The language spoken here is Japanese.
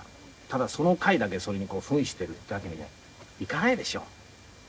ただその回だけそれに扮しているっていうわけにはいかないでしょ。